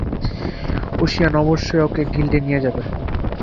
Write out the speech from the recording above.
ঊশিয়ান অবশ্যই ওকে গিল্ডে নিয়ে যাবে।